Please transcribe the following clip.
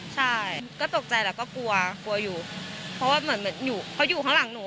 ใช่ก็ตกใจแหละก็กลัวกลัวอยู่เพราะว่าเหมือนอยู่เขาอยู่ข้างหลังหนู